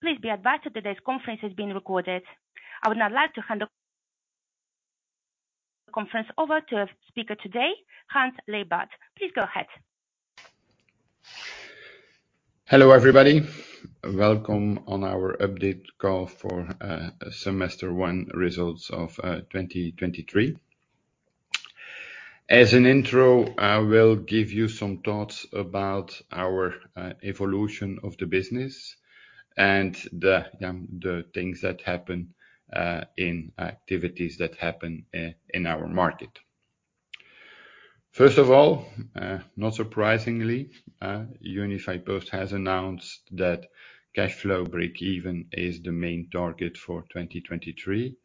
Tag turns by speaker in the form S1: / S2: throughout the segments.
S1: Please be advised that today's conference is being recorded. I would now like to hand the conference over to our speaker today, Hans Leybaert. Please go ahead.
S2: Hello, everybody. Welcome on our update call for semester one results of 2023. As an intro, I will give you some thoughts about our evolution of the business and the things that happen in activities that happen in our market. First of all, not surprisingly, Unifiedpost has announced that cash flow breakeven is the main target for 2023,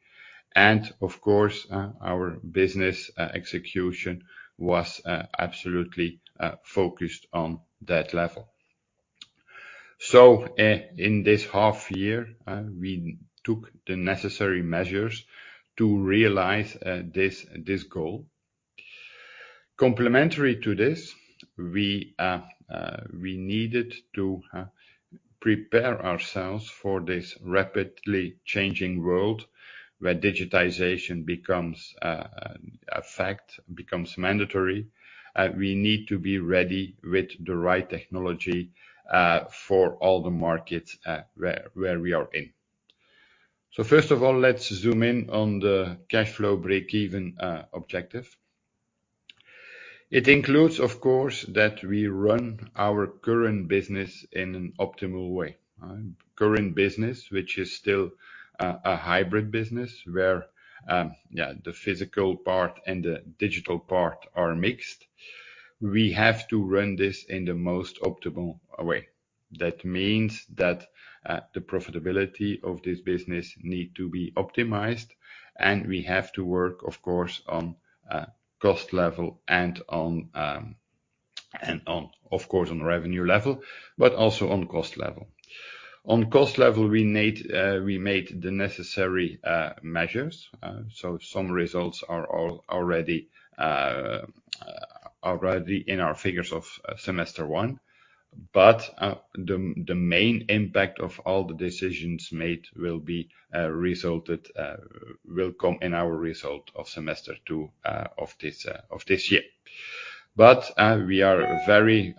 S2: and of course, our business execution was absolutely focused on that level. In this half year, we took the necessary measures to realize this goal. Complementary to this, we needed to prepare ourselves for this rapidly changing world, where digitization becomes a fact, becomes mandatory. We need to be ready with the right technology for all the markets where we are in. So first of all, let's zoom in on the cash flow breakeven objective. It includes, of course, that we run our current business in an optimal way. Current business, which is still a hybrid business, where the physical part and the digital part are mixed. We have to run this in the most optimal way. That means that the profitability of this business need to be optimized, and we have to work, of course, on cost level and on, and on, of course, on revenue level, but also on cost level. On cost level, we made the necessary measures, so some results are already in our figures of semester one, but the main impact of all the decisions made will be resulted, will come in our result of semester two of this year. But we are very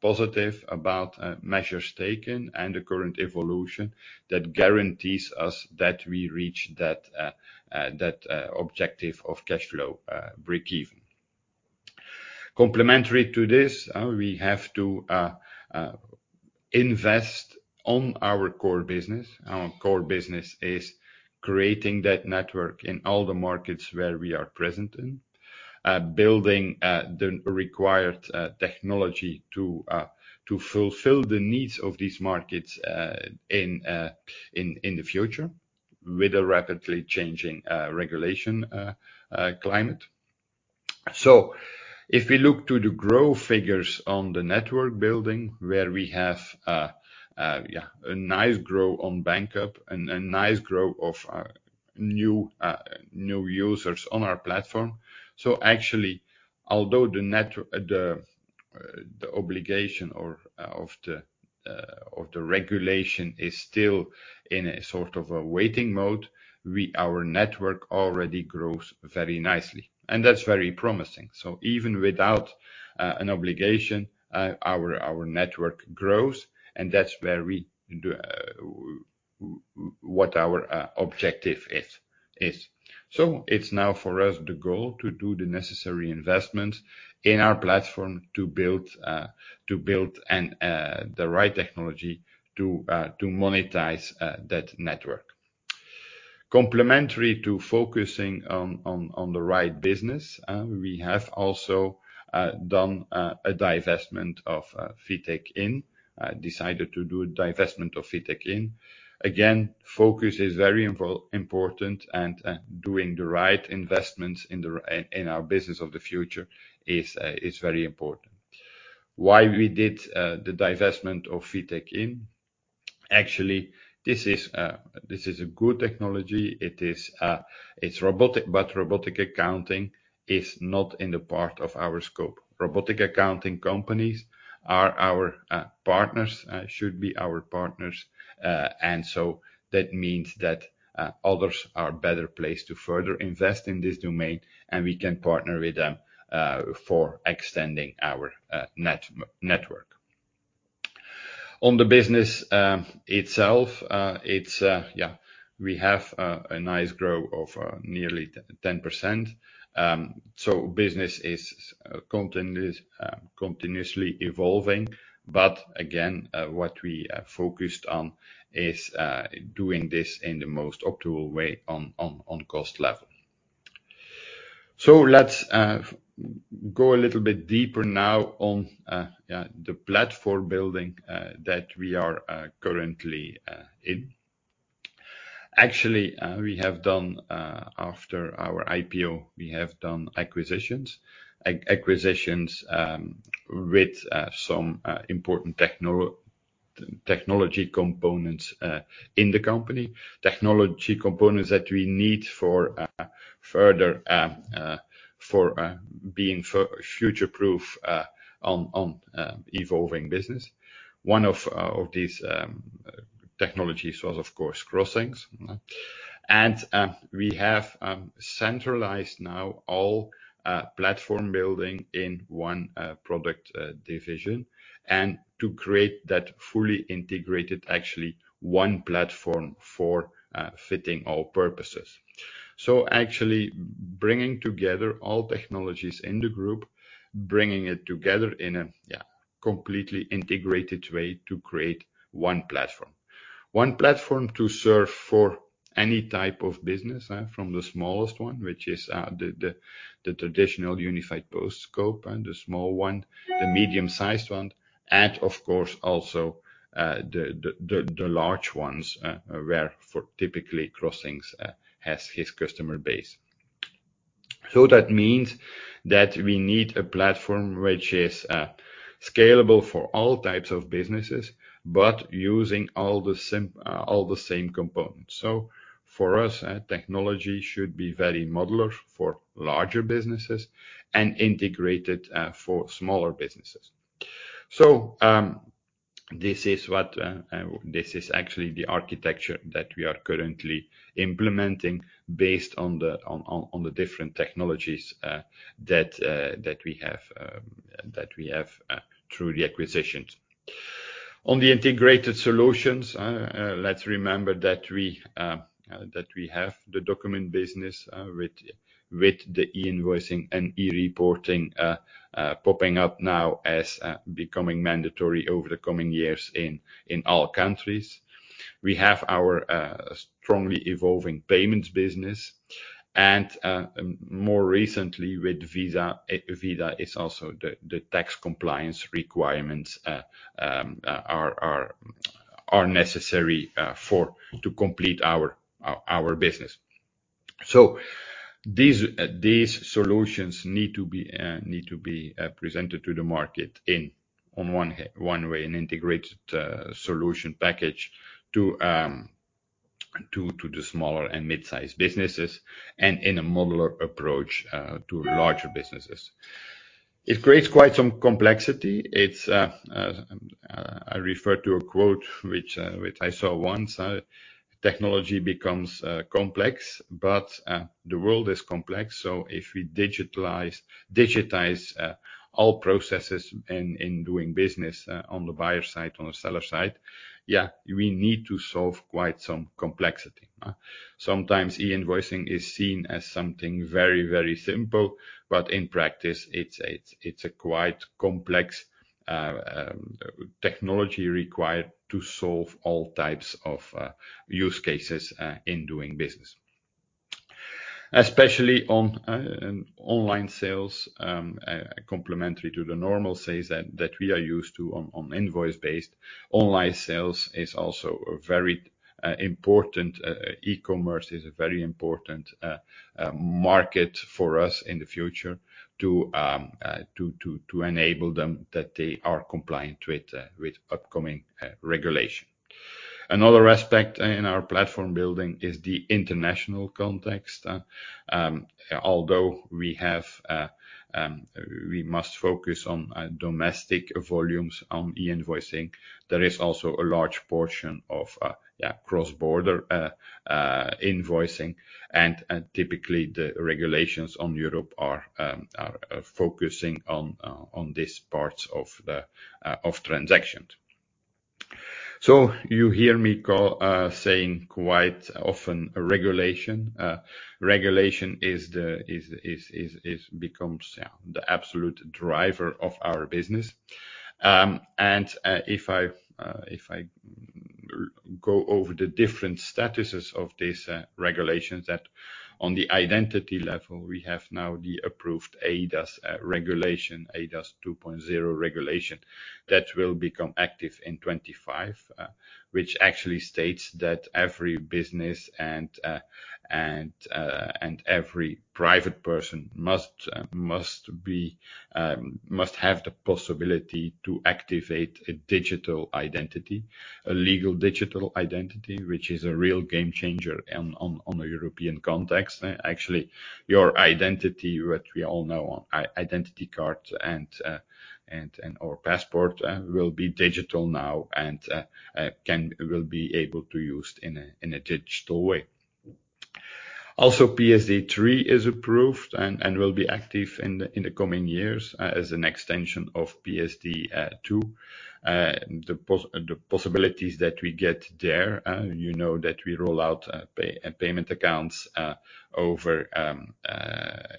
S2: positive about measures taken and the current evolution that guarantees us that we reach that objective of cash flow breakeven. Complementary to this, we have to invest on our core business. Our core business is creating that network in all the markets where we are present in. Building the required technology to fulfill the needs of these markets in the future, with a rapidly changing regulation climate. So if we look to the growth figures on the network building, where we have, yeah, a nice growth on Banqup and a nice growth of new users on our platform. So actually, although the obligation or of the regulation is still in a sort of a waiting mode, we... Our network already grows very nicely, and that's very promising. So even without an obligation, our network grows, and that's where we do what our objective is. So it's now for us the goal to do the necessary investment in our platform to build, to build an, the right technology to, to monetize, that network. Complementary to focusing on, on the right business, we have also, done, a divestment of, FitekIN, decided to do a divestment of FitekIN. Again, focus is very important, and, doing the right investments in the in our business of the future is, is very important. Why we did, the divestment of FitekIN? Actually, this is, this is a good technology. It is, it's robotic, but robotic accounting is not in the part of our scope. Robotic accounting companies are our, partners, should be our partners. And so that means that others are better placed to further invest in this domain, and we can partner with them for extending our network. On the business itself, it's yeah, we have a nice growth of nearly 10%. So business is continuously evolving. But again, what we are focused on is doing this in the most optimal way, on cost level. So let's go a little bit deeper now on the platform building that we are currently in. Actually, we have done, after our IPO, we have done acquisitions. Acquisitions with some important technology components in the company. Technology components that we need for further for being future-proof on evolving business. One of these technologies was, of course, Crossinx. We have centralized now all platform building in one product division. And to create that fully integrated, actually one platform for fitting all purposes. So actually bringing together all technologies in the group, bringing it together in a yeah, completely integrated way to create one platform. One platform to serve for any type of business from the smallest one, which is the traditional Unifiedpost scope, and the small one, the medium-sized one, and of course, also the large ones where for typically Crossinx has his customer base. So that means that we need a platform which is scalable for all types of businesses, but using all the same components. So for us, technology should be very modular for larger businesses and integrated for smaller businesses. So, this is actually the architecture that we are currently implementing based on the different technologies that we have through the acquisitions. On the integrated solutions, let's remember that we have the document business with the e-invoicing and e-reporting popping up now as becoming mandatory over the coming years in all countries. We have our strongly evolving payments business, and more recently with ViDA. ViDA is also the tax compliance requirements are necessary for to complete our business. So these solutions need to be presented to the market in one way, an integrated solution package to the smaller and mid-sized businesses and in a modular approach to larger businesses. It creates quite some complexity. I refer to a quote which I saw once: "Technology becomes complex," but the world is complex, so if we digitize all processes in doing business on the buyer side, on the seller side, yeah, we need to solve quite some complexity. Sometimes e-invoicing is seen as something very, very simple, but in practice, it's a quite complex technology required to solve all types of use cases in doing business. Especially on online sales complementary to the normal sales that we are used to on invoice-based. Online sales is also a very important... e-commerce is a very important market for us in the future to enable them that they are compliant with upcoming regulation. Another aspect in our platform building is the international context. Although we must focus on domestic volumes on e-invoicing, there is also a large portion of cross-border invoicing, and typically, the regulations on Europe are focusing on these parts of the transactions. So you hear me saying quite often, regulation. Regulation becomes the absolute driver of our business. And if I go over the different statuses of these regulations, that on the identity level, we have now the approved eIDAS regulation, eIDAS 2.0 regulation, that will become active in 2025. Which actually states that every business and and every private person must have the possibility to activate a digital identity, a legal digital identity, which is a real game changer on a European context. Actually, your identity, what we all know on ID card and and or passport, will be digital now and will be able to use in a digital way. Also, PSD3 is approved and will be active in the coming years, as an extension of PSD2. The possibilities that we get there, you know, that we roll out payment accounts over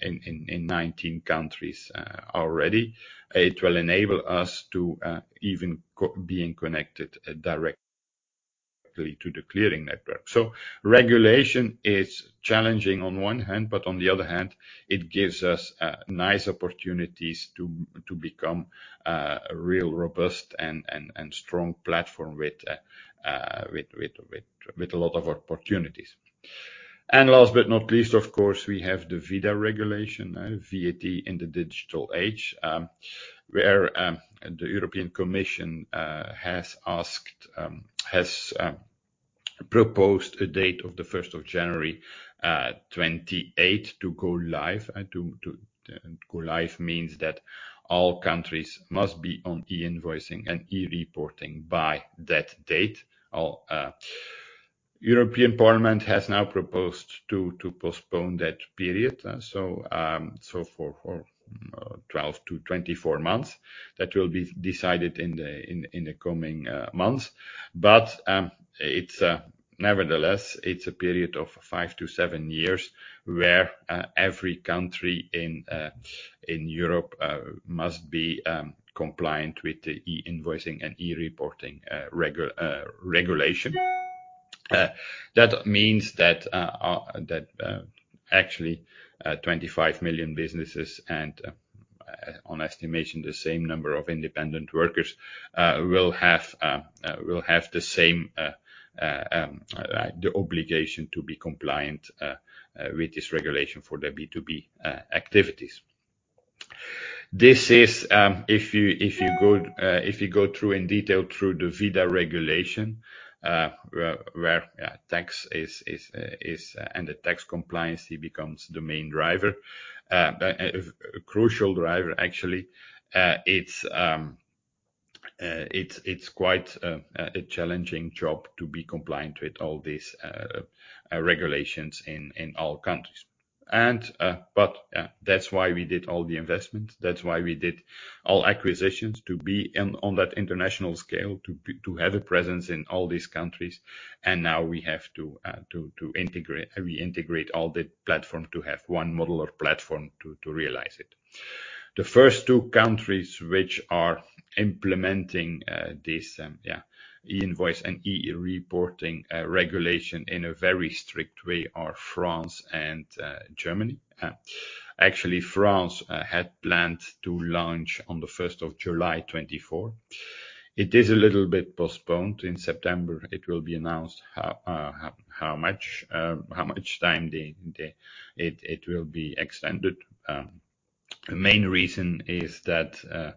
S2: in 19 countries already. It will enable us to even being connected directly to the clearing network. So regulation is challenging on one hand, but on the other hand, it gives us nice opportunities to become a real robust and strong platform with a lot of opportunities. And last but not least, of course, we have the ViDA regulation, VAT in the Digital Age. Where the European Commission has proposed a date of the 1st of January 2028 to go live. And go live means that all countries must be on e-invoicing and e-reporting by that date, or European Parliament has now proposed to postpone that period, so for 12-24 months. That will be decided in the coming months. But, it's nevertheless a period of five-seven years where every country in Europe must be compliant with the e-invoicing and e-reporting regulation. That means that actually 25 million businesses and, on estimation, the same number of independent workers will have the same obligation to be compliant with this regulation for their B2B activities. This is if you go through in detail through the ViDA regulation, where tax is and the tax compliance, it becomes the main driver. A crucial driver, actually. It's quite a challenging job to be compliant with all these regulations in all countries. But that's why we did all the investments. That's why we did all acquisitions, to be on that international scale, to have a presence in all these countries. And now we have to integrate all the platform to have one model or platform to realize it. The first two countries which are implementing this e-invoicing and e-reporting regulation in a very strict way are France and Germany. Actually, France had planned to launch on the first of July 2024. It is a little bit postponed. In September, it will be announced how much time it will be extended. The main reason is that, yeah,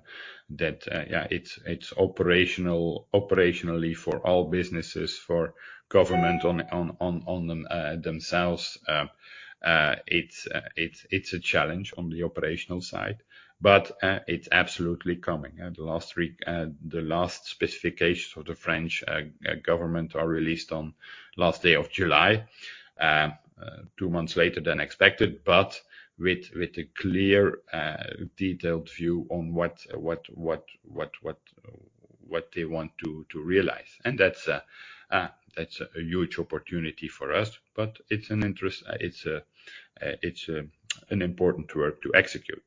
S2: it's operationally for all businesses, for government on themselves. It's a challenge on the operational side, but it's absolutely coming. Last week, the last specifications for the French government are released on last day of July, two months later than expected, but with a clear, detailed view on what they want to realize. And that's a huge opportunity for us, but it's an interest, it's an important work to execute.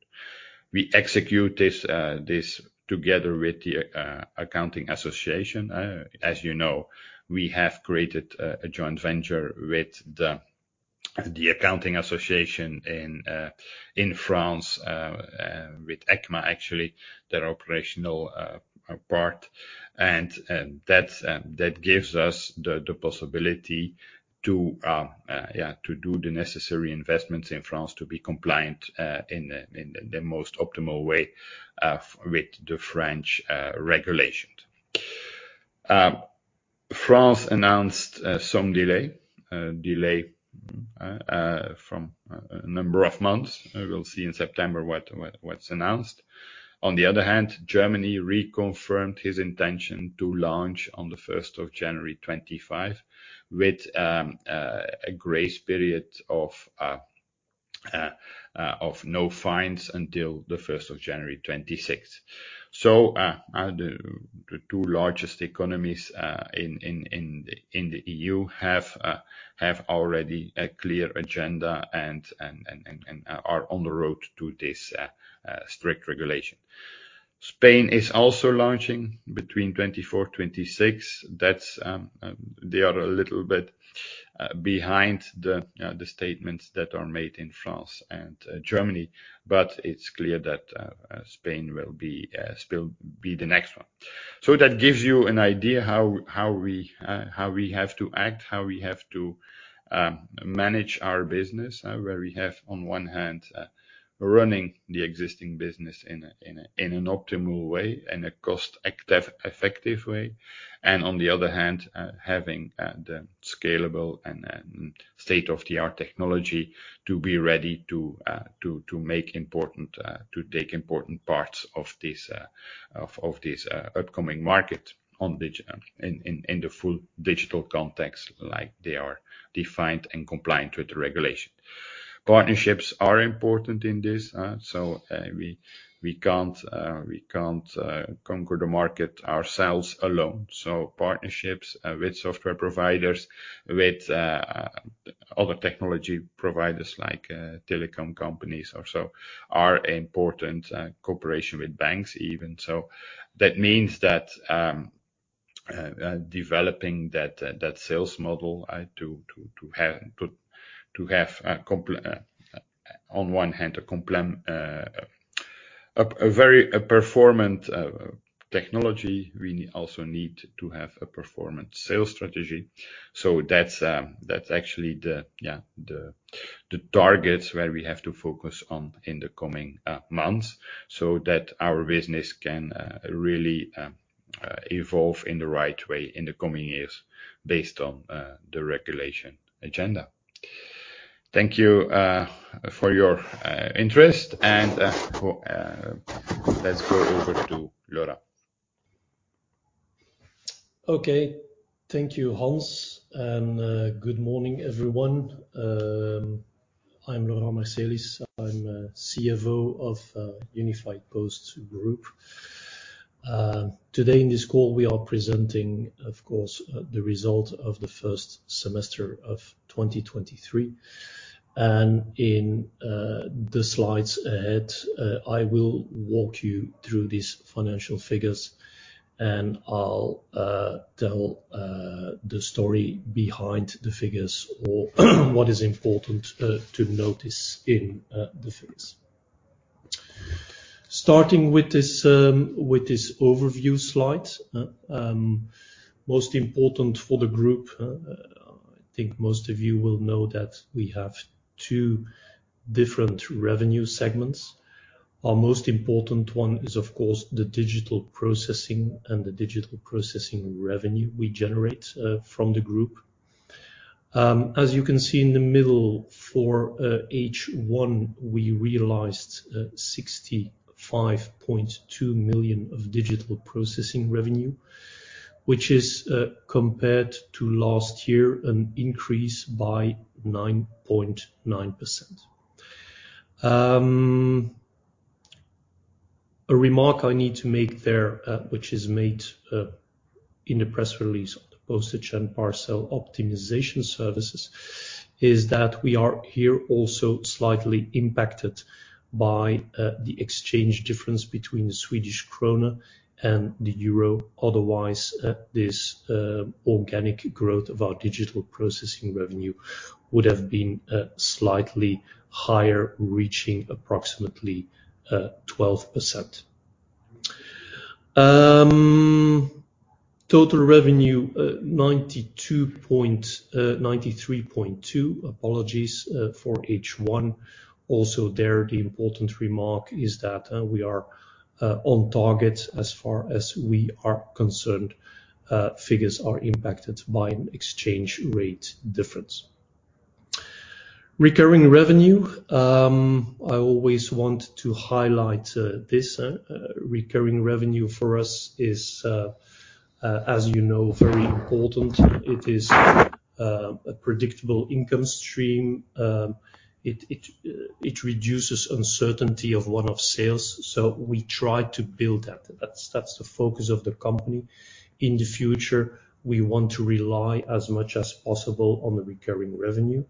S2: We execute this together with the accounting association. As you know, we have created a joint venture with the accounting association in France with ECMA, actually, their operational part. And that gives us the possibility to, yeah, to do the necessary investments in France to be compliant in the most optimal way with the French regulations. France announced some delay from a number of months. We'll see in September what's announced. On the other hand, Germany reconfirmed his intention to launch on the first of January 2025, with a grace period of no fines until the first of January 2026. So, the two largest economies in the EU have already a clear agenda and are on the road to this strict regulation. Spain is also launching between 2024-2026. That's, they are a little bit behind the statements that are made in France and Germany, but it's clear that Spain will be the next one. So that gives you an idea how we have to act, how we have to manage our business, where we have, on one hand, running the existing business in an optimal way and a cost-effective way. On the other hand, having the scalable and state-of-the-art technology to be ready to take important parts of this upcoming market in the full digital context, like they are defined and compliant with the regulation. Partnerships are important in this, so we can't conquer the market ourselves alone. So partnerships with software providers, with other technology providers, like telecom companies or so, are important, cooperation with banks even. So that means that developing that sales model to have, on one hand, a very performant technology, we also need to have a performant sales strategy. So that's actually the targets where we have to focus on in the coming months, so that our business can really evolve in the right way in the coming years based on the regulation agenda. Thank you for your interest and, let's go over to Laurent.
S3: Okay. Thank you, Hans, and good morning, everyone. I'm Laurent Marcelis. I'm CFO of Unifiedpost Group. Today in this call, we are presenting, of course, the result of the first semester of 2023. In the slides ahead, I will walk you through these financial figures, and I'll tell the story behind the figures, or what is important to notice in the figures. Starting with this, with this overview slide. Most important for the group, I think most of you will know that we have two different revenue segments. Our most important one is, of course, the digital processing and the digital processing revenue we generate from the group. As you can see in the middle, for H1, we realized 65.2 million of digital processing revenue, which is compared to last year, an increase by 9.9%. A remark I need to make there, which is made in the press release on the postage and parcel optimization services, is that we are here also slightly impacted by the exchange difference between the Swedish krona and the euro. Otherwise, this organic growth of our digital processing revenue would have been slightly higher, reaching approximately 12%. Total revenue, 93.2, apologies, for H1. Also there, the important remark is that we are on target as far as we are concerned. Figures are impacted by an exchange rate difference. Recurring revenue, I always want to highlight this. Recurring revenue for us is, as you know, very important. It is a predictable income stream. It reduces uncertainty of one-off sales, so we try to build that. That's the focus of the company. In the future, we want to rely as much as possible on the recurring revenue,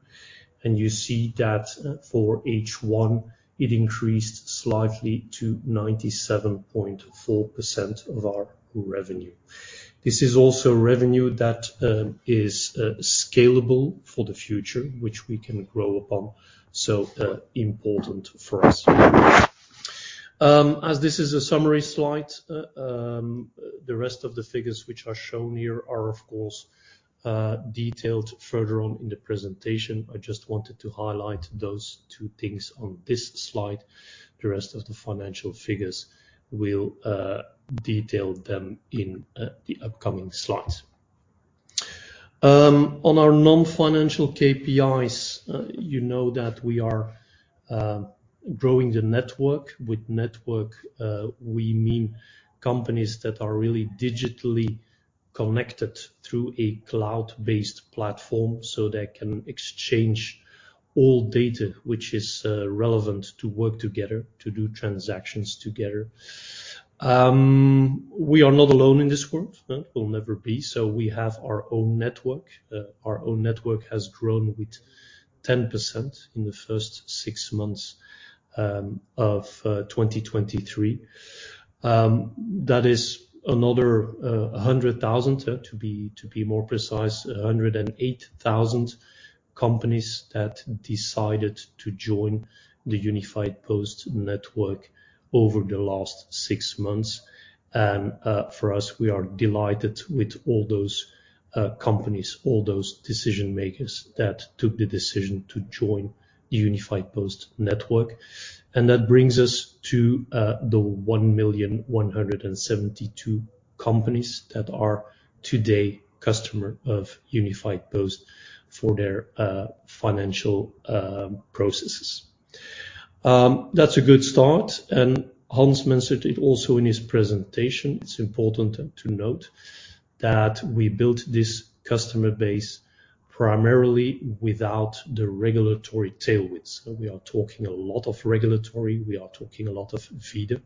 S3: and you see that for H1, it increased slightly to 97.4% of our revenue. This is also revenue that is scalable for the future, which we can grow upon, so important for us. As this is a summary slide, the rest of the figures which are shown here are, of course, detailed further on in the presentation. I just wanted to highlight those two things on this slide. The rest of the financial figures, we'll detail them in the upcoming slides. On our non-financial KPIs, you know that we are growing the network. With network, we mean companies that are really digitally connected through a cloud-based platform, so they can exchange all data which is relevant to work together, to do transactions together. We are not alone in this world, huh? We'll never be. So we have our own network. Our own network has grown with 10% in the first six months of 2023. That is another 100,000. To be more precise, 108,000 companies that decided to join the Unifiedpost network over the last six months. For us, we are delighted with all those companies, all those decision-makers, that took the decision to join the Unifiedpost network. That brings us to the 1,172 companies that are today customer of Unifiedpost for their financial processes. That's a good start, and Hans mentioned it also in his presentation. It's important to note that we built this customer base primarily without the regulatory tailwinds. So we are talking a lot of regulatory, we are talking a lot of Peppol,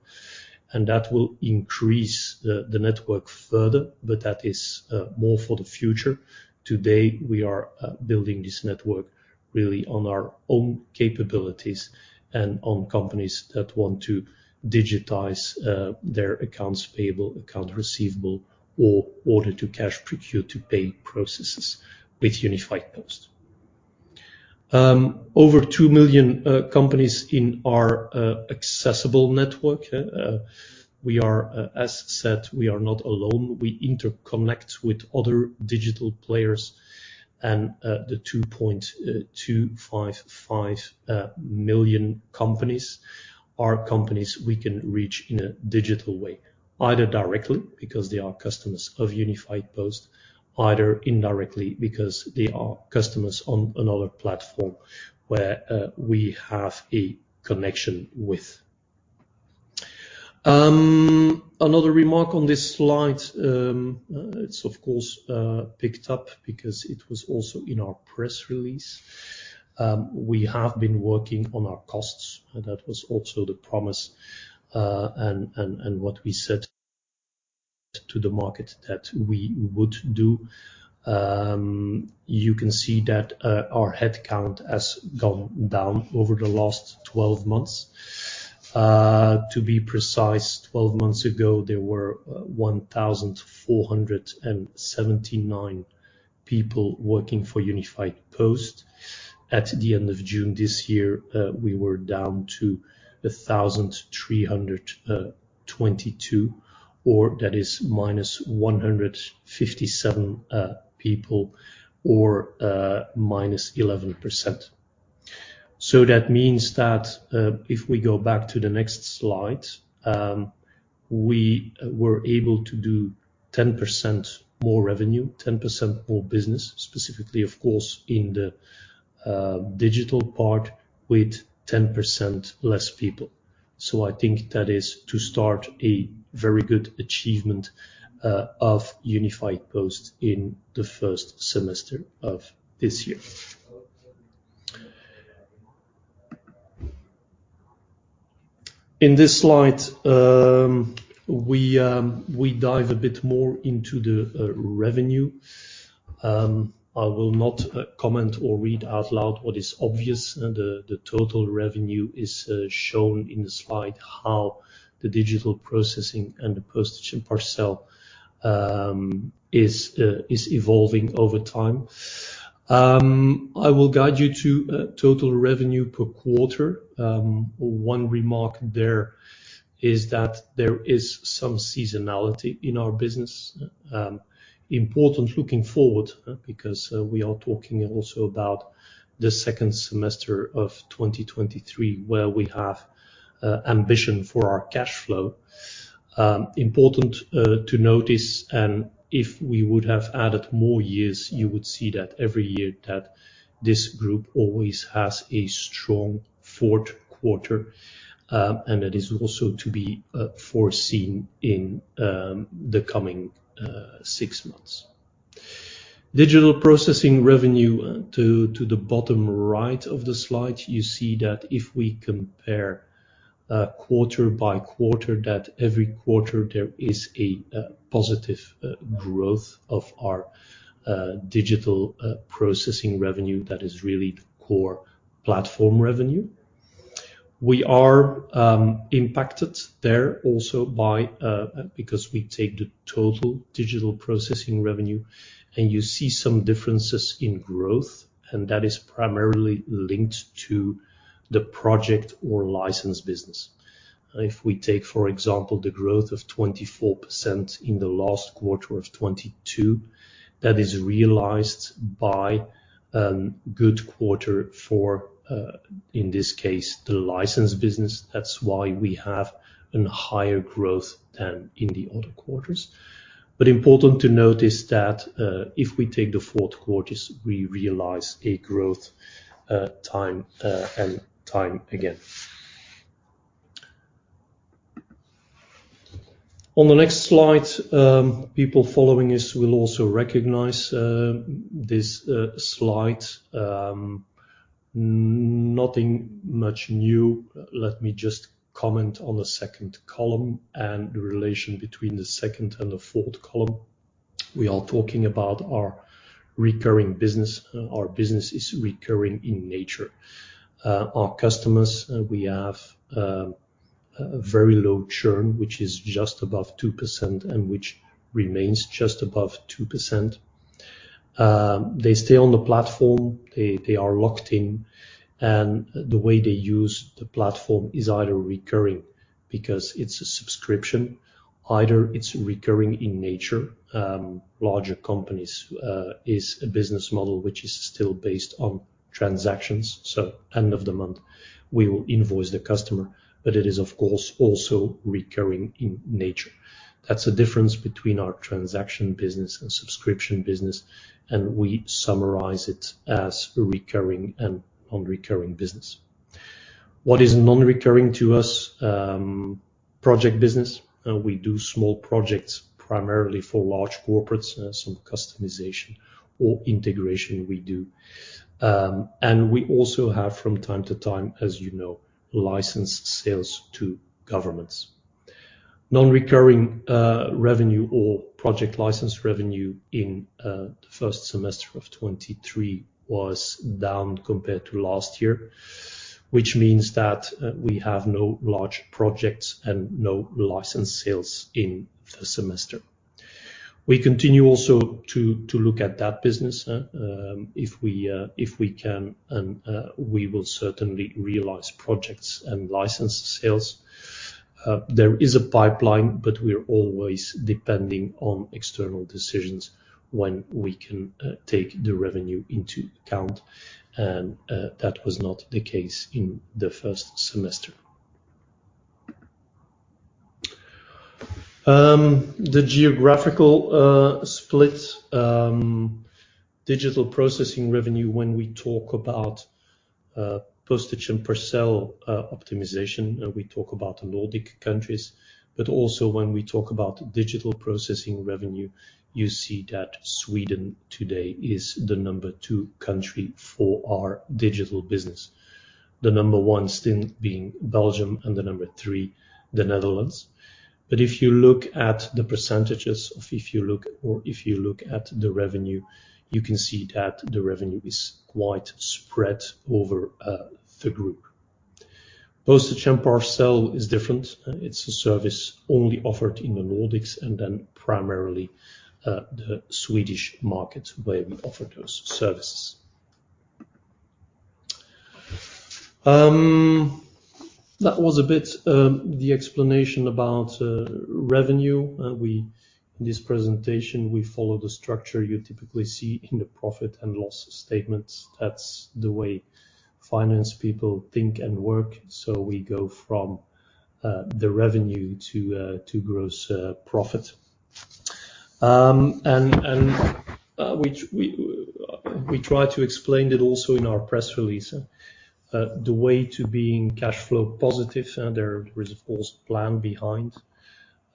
S3: and that will increase the network further, but that is more for the future. Today, we are building this network really on our own capabilities and on companies that want to digitize their accounts payable, accounts receivable, or order-to-cash, procure-to-pay processes with Unifiedpost. Over 2 million companies in our accessible network. We are, as said, we are not alone. We interconnect with other digital players and the 2.255 million companies are companies we can reach in a digital way, either directly, because they are customers of Unifiedpost, either indirectly, because they are customers on another platform where we have a connection with. Another remark on this slide, it's of course picked up because it was also in our press release. We have been working on our costs, and that was also the promise, and what we said to the market that we would do. You can see that our headcount has gone down over the last 12 months. To be precise, twelve months ago, there were 1,479 people working for Unifiedpost. At the end of June this year, we were down to 1,322, or that is minus 157 people, or minus 11%. So that means that if we go back to the next slide, we were able to do 10% more revenue, 10% more business, specifically, of course, in the digital part with 10% less people. So I think that is to start a very good achievement of Unifiedpost in the first semester of this year. In this slide, we dive a bit more into the revenue. I will not comment or read out loud what is obvious, and the, the total revenue is shown in the slide, how the digital processing and the postage and parcel is evolving over time. I will guide you to total revenue per quarter. One remark there is that there is some seasonality in our business. Important looking forward, because we are talking also about the second semester of 2023, where we have ambition for our cash flow. Important to notice, and if we would have added more years, you would see that every year that this group always has a strong fourth quarter, and that is also to be foreseen in the coming six months. Digital processing revenue, to the bottom right of the slide, you see that if we compare quarter by quarter, that every quarter there is a positive growth of our digital processing revenue. That is really the core platform revenue. We are impacted there also by because we take the total digital processing revenue, and you see some differences in growth, and that is primarily linked to the project or license business. If we take, for example, the growth of 24% in the last quarter of 2022, that is realized by good quarter for in this case, the license business. That's why we have a higher growth than in the other quarters. But important to notice that if we take the fourth quarters, we realize a growth time and time again. On the next slide, people following this will also recognize this slide. Nothing much new. Let me just comment on the second column and the relation between the second and the fourth column. We are talking about our recurring business. Our business is recurring in nature. Our customers, we have a very low churn, which is just above 2% and which remains just above 2%. They stay on the platform, they are locked in, and the way they use the platform is either recurring because it's a subscription, either it's recurring in nature. Larger companies is a business model which is still based on transactions, so end of the month, we will invoice the customer, but it is, of course, also recurring in nature. That's the difference between our transaction business and subscription business, and we summarize it as recurring and non-recurring business. What is non-recurring to us? Project business. We do small projects, primarily for large corporates, some customization or integration we do. And we also have, from time to time, as you know, license sales to governments. Non-recurring, revenue or project license revenue in the first semester of 2023 was down compared to last year, which means that we have no large projects and no license sales in the semester. We continue also to look at that business, if we can, and we will certainly realize projects and license sales. There is a pipeline, but we are always depending on external decisions when we can take the revenue into account, and that was not the case in the first semester. The geographical split digital processing revenue, when we talk about postage and parcel optimization, we talk about the Nordic countries, but also when we talk about digital processing revenue, you see that Sweden today is the number two country for our digital business. The number one still being Belgium, and the number three, the Netherlands. But if you look at the percentages, or if you look, or if you look at the revenue, you can see that the revenue is quite spread over the group. Postage and parcel is different. It's a service only offered in the Nordics, and then primarily the Swedish market, where we offer those services. That was a bit, the explanation about revenue. In this presentation, we follow the structure you typically see in the profit and loss statements. That's the way finance people think and work. So we go from the revenue to gross profit, which we try to explain it also in our press release, the way to being cash flow positive, and there is, of course, plan behind.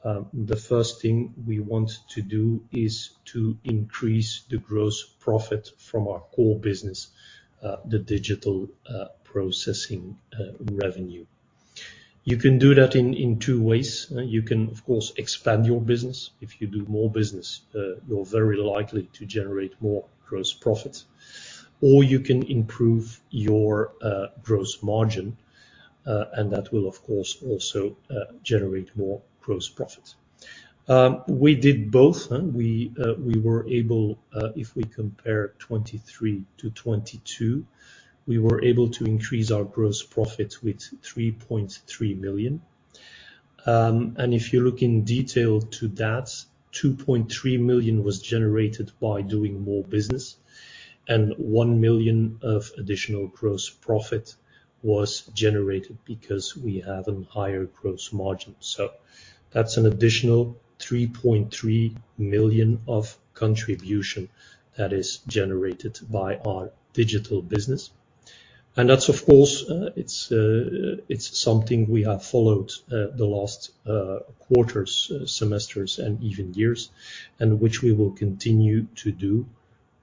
S3: The first thing we want to do is to increase the gross profit from our core business, the digital processing revenue. You can do that in two ways. You can, of course, expand your business. If you do more business, you're very likely to generate more gross profit, or you can improve your gross margin, and that will, of course, also generate more gross profit. We did both, and we were able, if we compare 2023 to 2022, to increase our gross profit with 3.3 million. And if you look in detail to that, 2.3 million was generated by doing more business, and 1 million of additional gross profit was generated because we have a higher gross margin. So that's an additional 3.3 million of contribution that is generated by our digital business. That's of course, it's something we have followed the last quarters, semesters, and even years, and which we will continue to do,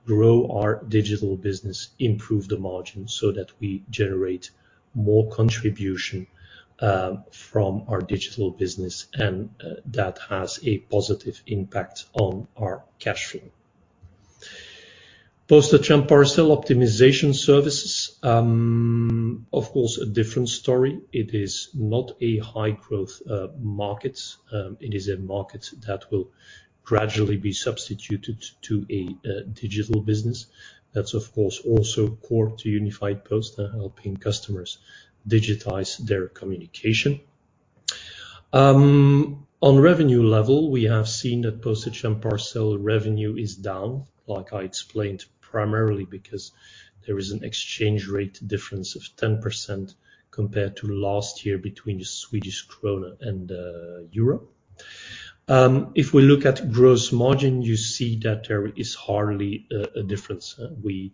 S3: grow our digital business, improve the margin, so that we generate more contribution from our digital business, and that has a positive impact on our cash flow. Postage and parcel optimization services, of course, a different story. It is not a high-growth market. It is a market that will gradually be substituted to a digital business. That's, of course, also core to Unifiedpost, helping customers digitize their communication. On revenue level, we have seen that postage and parcel revenue is down, like I explained, primarily because there is an exchange rate difference of 10% compared to last year between the Swedish Krona and Euro. If we look at gross margin, you see that there is hardly a difference. We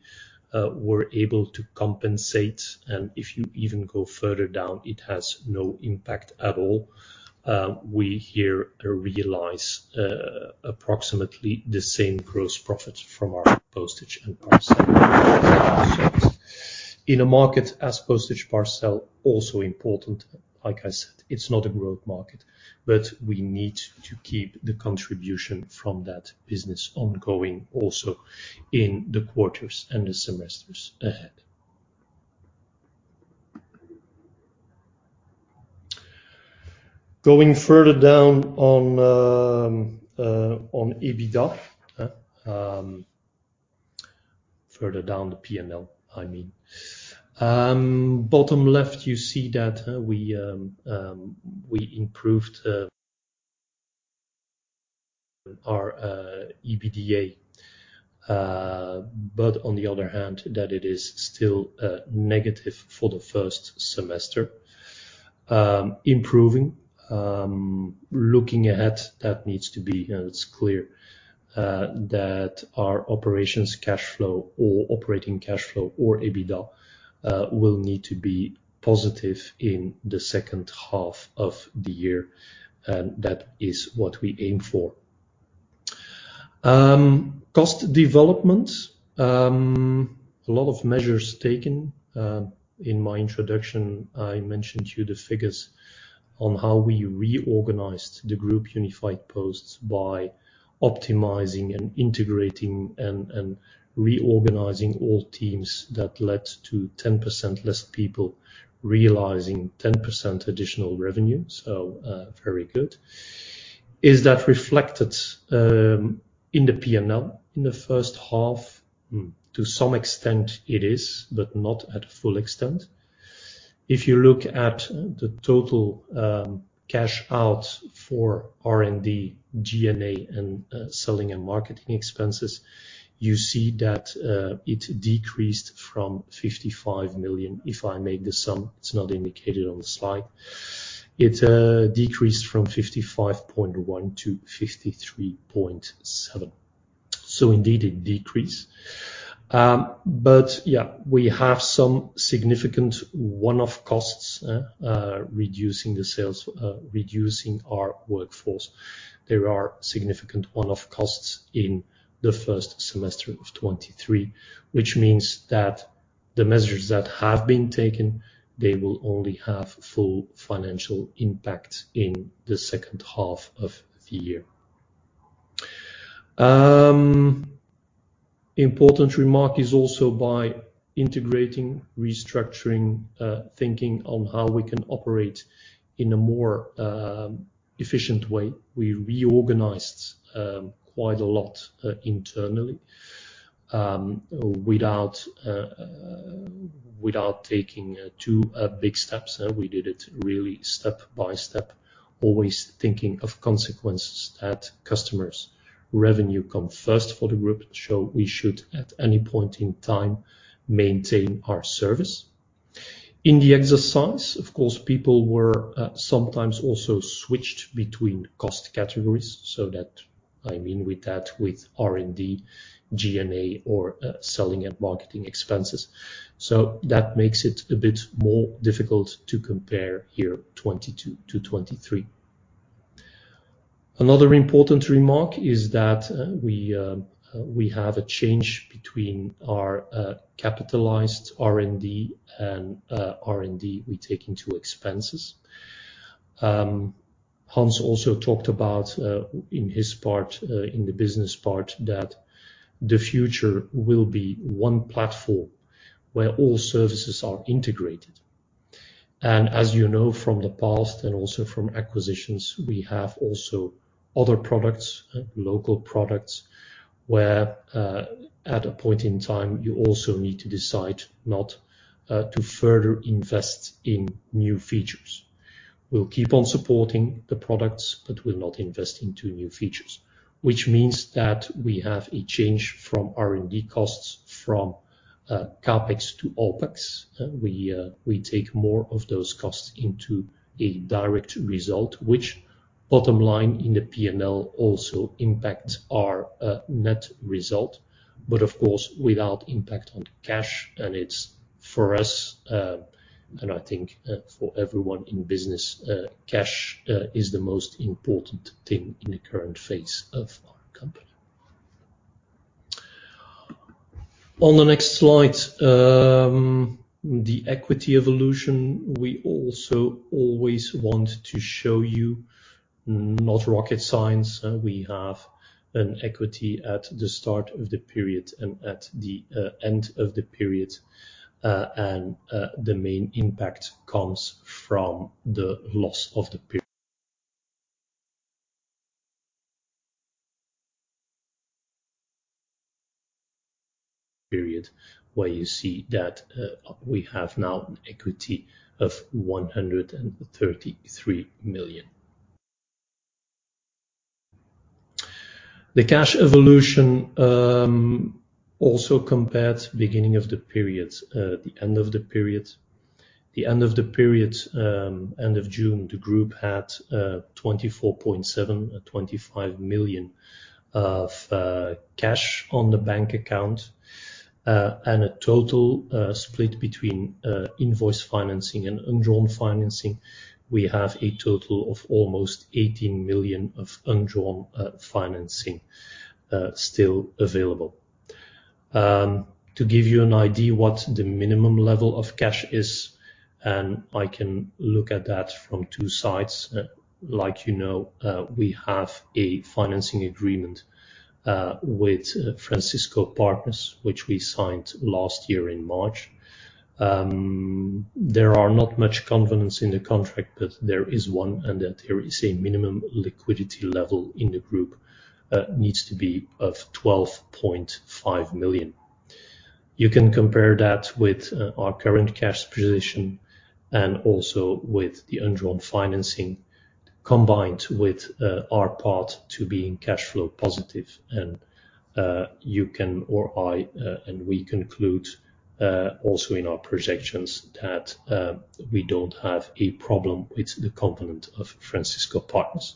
S3: were able to compensate, and if you even go further down, it has no impact at all. We here realize approximately the same gross profit from our postage and parcel. In a market as postage parcel, also important. Like I said, it's not a growth market, but we need to keep the contribution from that business ongoing also in the quarters and the semesters ahead. Going further down on EBITDA, further down the P&L, I mean. Bottom left, you see that we improved our EBITDA, but on the other hand, that it is still negative for the first semester. Improving. Looking ahead, that needs to be, and it's clear, that our operations cash flow, or operating cash flow, or EBITDA, will need to be positive in the second half of the year, and that is what we aim for. Cost development. A lot of measures taken. In my introduction, I mentioned to you the figures on how we reorganized the group Unifiedpost by optimizing and integrating and reorganizing all teams. That led to 10% less people, realizing 10% additional revenue. So, very good. Is that reflected, in the P&L in the first half? To some extent, it is, but not at full extent. If you look at the total, cash out for R&D, G&A, and, selling and marketing expenses, you see that, it decreased from 55 million. If I make the sum, it's not indicated on the slide. It decreased from 55.1 million to 53.7 million. So indeed, it decreased. But yeah, we have some significant one-off costs reducing the sales, reducing our workforce. There are significant one-off costs in the first semester of 2023, which means that the measures that have been taken, they will only have full financial impact in the second half of the year. Important remark is also by integrating, restructuring, thinking on how we can operate in a more efficient way. We reorganized quite a lot internally, without taking two big steps. We did it really step by step, always thinking of consequences that customers' revenue come first for the group. So we should, at any point in time, maintain our service. In the exercise, of course, people were, sometimes also switched between cost categories, so that—I mean with that, with R&D, G&A, or, selling and marketing expenses. So that makes it a bit more difficult to compare here, 2022-2023. Another important remark is that, we have a change between our, capitalized R&D and, R&D we take into expenses. Hans also talked about, in his part, in the business part, that the future will be one platform where all services are integrated. And as you know from the past and also from acquisitions, we have also other products, local products, where, at a point in time, you also need to decide not, to further invest in new features. We'll keep on supporting the products, but we'll not invest into new features, which means that we have a change from R&D costs, from CapEx to OpEx. We take more of those costs into a direct result, which bottom line in the P&L also impacts our net result, but of course, without impact on cash, and it's for us, and I think, for everyone in business, cash is the most important thing in the current phase of our company. On the next slide, the equity evolution, we also always want to show you, not rocket science. We have an equity at the start of the period and at the end of the period, and the main impact comes from the loss of the period, where you see that we have now an equity of 133 million. The cash evolution also compared to beginning of the period, the end of the period. The end of the period, end of June, the group had 24.7 million-25 million of cash on the bank account, and a total split between invoice financing and undrawn financing. We have a total of almost 18 million of undrawn financing still available. To give you an idea what the minimum level of cash is, and I can look at that from two sides. Like you know, we have a financing agreement with Francisco Partners, which we signed last year in March. There are not much confidence in the contract, but there is one, and that there is a minimum liquidity level in the group needs to be of 12.5 million. You can compare that with our current cash position and also with the undrawn financing, combined with our path to being cash flow positive. You can, or I, and we conclude also in our projections that we don't have a problem with the component of Francisco Partners.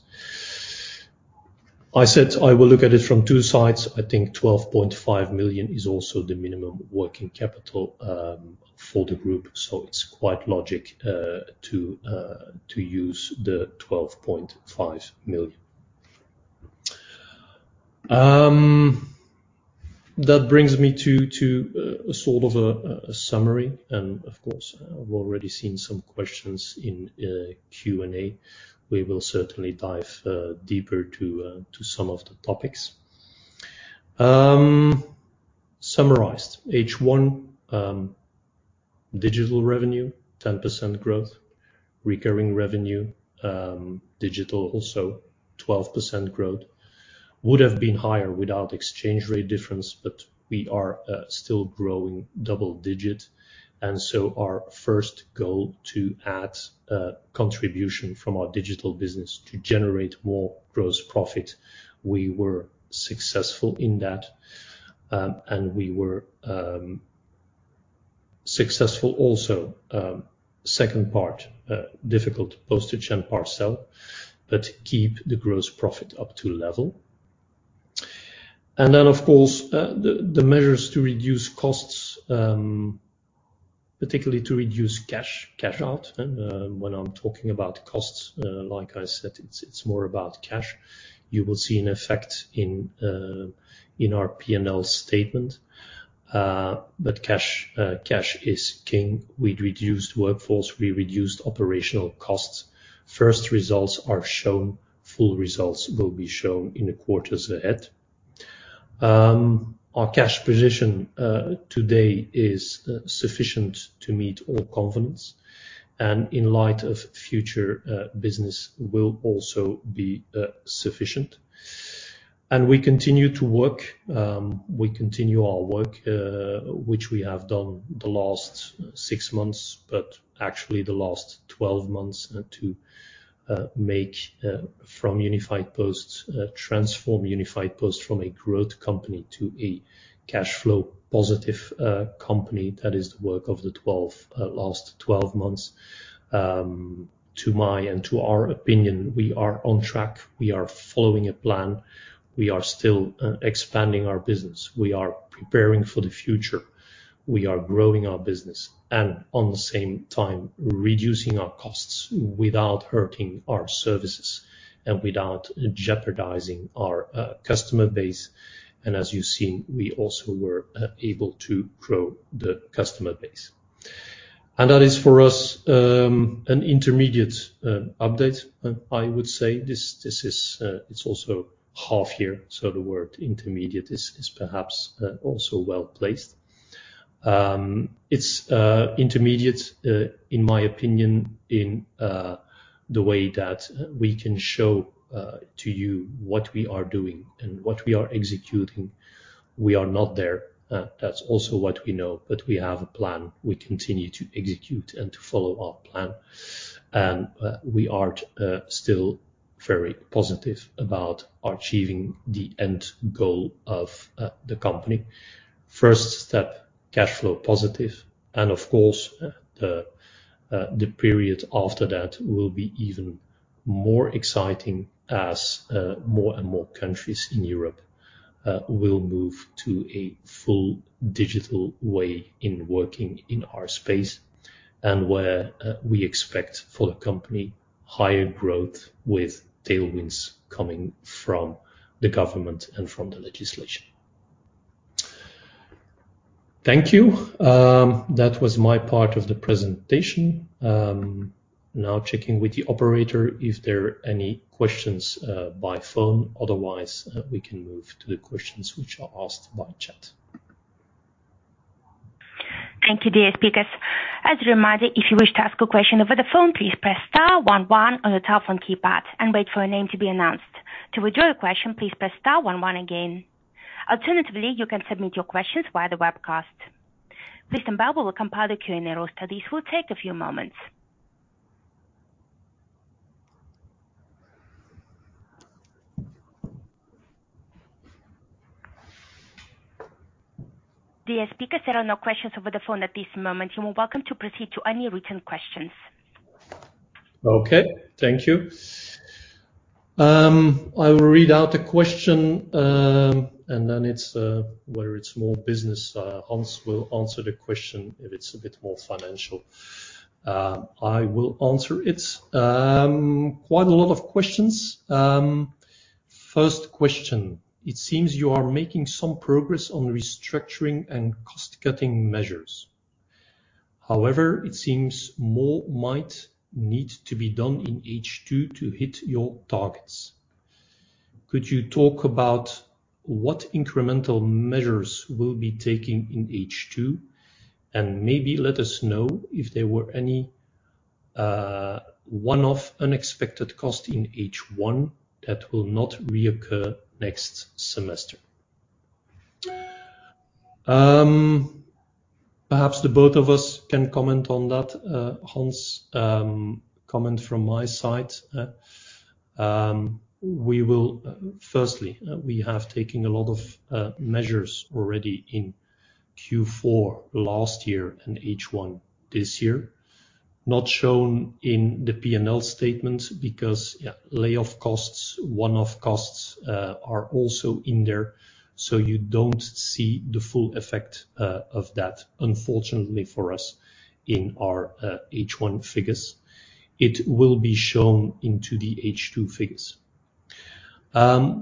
S3: I said I will look at it from two sides. I think 12.5 million is also the minimum working capital for the group, so it's quite logic to use the 12.5 million. That brings me to a sort of a summary, and of course, I've already seen some questions in Q&A. We will certainly dive deeper to some of the topics. Summarized. H one digital revenue, 10% growth. Recurring revenue, digital also 12% growth. Would have been higher without exchange rate difference, but we are still growing double-digit, and so our first goal to add contribution from our digital business to generate more gross profit. We were successful in that, and we were successful also. Second part, difficult postage and parcel, but keep the gross profit up to level. And then, of course, the measures to reduce costs, particularly to reduce cash out. When I'm talking about costs, like I said, it's more about cash. You will see an effect in our P&L statement, but cash, cash is king. We reduced workforce, we reduced operational costs. First results are shown. Full results will be shown in the quarters ahead. Our cash position today is sufficient to meet all confidence, and in light of future business, will also be sufficient. We continue to work. We continue our work, which we have done the last 6 months, but actually the last 12 months, to transform Unifiedpost from a growth company to a cash flow positive company. That is the work of the last 12 months. To my and to our opinion, we are on track, we are following a plan. We are still expanding our business. We are preparing for the future. We are growing our business, and on the same time, reducing our costs without hurting our services and without jeopardizing our customer base. As you've seen, we also were able to grow the customer base. That is for us, an intermediate update. I would say this, this is, it's also half year, so the word intermediate is, is perhaps, also well placed. It's intermediate, in my opinion, in the way that we can show to you what we are doing and what we are executing. We are not there. That's also what we know, but we have a plan. We continue to execute and to follow our plan. We are still very positive about achieving the end goal of the company. First step, cash flow positive, and of course, the period after that will be even more exciting as more and more countries in Europe will move to a full digital way in working in our space, and where we expect for the company, higher growth with tailwinds coming from the government and from the legislation. Thank you. That was my part of the presentation. Now checking with the operator if there are any questions by phone. Otherwise, we can move to the questions which are asked by chat.
S1: Thank you, dear speakers. As a reminder, if you wish to ask a question over the phone, please press star one one on your telephone keypad and wait for your name to be announced. To withdraw your question, please press star one one again. Alternatively, you can submit your questions via the webcast. Mr. Bell will compile the Q&A roster. This will take a few moments. Dear speakers, there are no questions over the phone at this moment. You are welcome to proceed to any written questions.
S3: Okay, thank you. I will read out the question, and then it's whether it's more business, Hans will answer the question if it's a bit more financial. I will answer it. Quite a lot of questions. First question: It seems you are making some progress on restructuring and cost-cutting measures. However, it seems more might need to be done in H2 to hit your targets. Could you talk about what incremental measures we'll be taking in H2, and maybe let us know if there were any one-off unexpected costs in H1 that will not reoccur next semester? Perhaps the both of us can comment on that, Hans. Comment from my side, we will... Firstly, we have taken a lot of measures already in Q4 last year and H1 this year, not shown in the P&L statement because, yeah, layoff costs, one-off costs, are also in there, so you don't see the full effect of that, unfortunately for us, in our H1 figures. It will be shown into the H2 figures.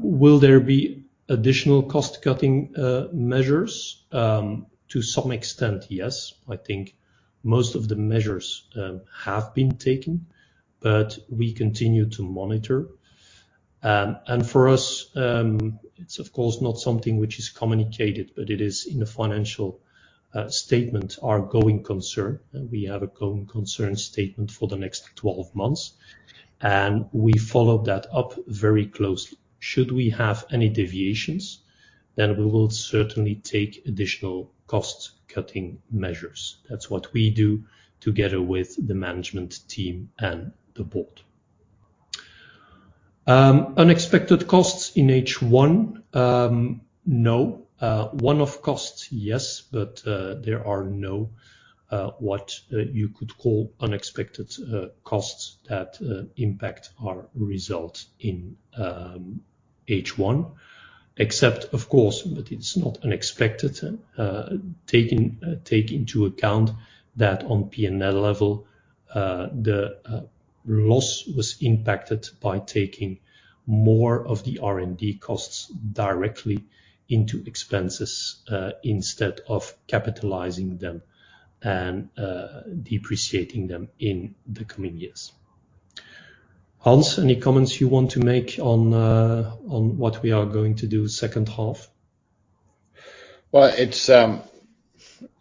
S3: Will there be additional cost-cutting measures? To some extent, yes. I think most of the measures have been taken, but we continue to monitor. And for us, it's of course not something which is communicated, but it is in the financial statement, our going concern, and we have a going concern statement for the next twelve months, and we follow that up very closely. Should we have any deviations, then we will certainly take additional cost-cutting measures. That's what we do together with the management team and the board. Unexpected costs in H1? No. One-off costs, yes, but there are no what you could call unexpected costs that impact our results in H1. Except of course, but it's not unexpected, take into account that on P&L level, the loss was impacted by taking more of the R&D costs directly into expenses, instead of capitalizing them and, depreciating them in the coming years. Hans, any comments you want to make on what we are going to do second half?
S2: Well, it's